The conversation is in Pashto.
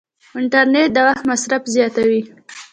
انټرنیټ د وخت مصرف زیاتوي.